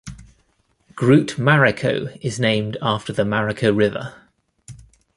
Groot Marico is named after the Marico River.